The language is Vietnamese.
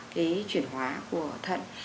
cái chuyển hóa của thận